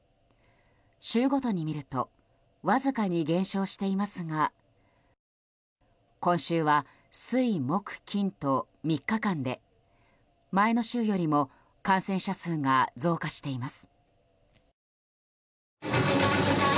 週ごとに見るとわずかに減少していますが今週は水、木、金と３日間で前の週よりも感染者数が増加しています。